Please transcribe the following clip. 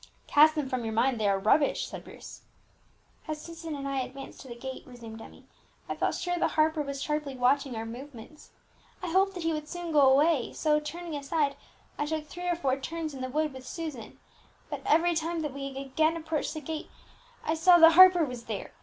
"Cast them from your mind, they are rubbish," said Bruce. "As Susan and I advanced to the gate," resumed Emmie, "I felt sure that Harper was sharply watching our movements. I hoped that he would soon go away, so, turning aside, I took three or four turns in the wood with Susan; but every time that we again approached the entrance, I saw that Harper was there.